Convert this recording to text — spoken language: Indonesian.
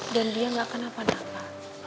dan dia gak akan apa apa